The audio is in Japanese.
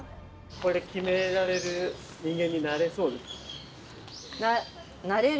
これ決められる人間になれそうですか？